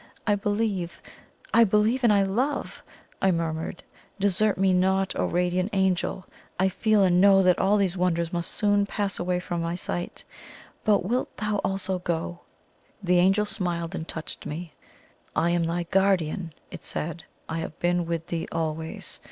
"I believe I believe and I love!" I murmured. "Desert me not, O radiant Angel! I feel and know that all these wonders must soon pass away from my sight; but wilt thou also go?" The Angel smiled and touched me. "I am thy guardian," it said. "I have been with thee always.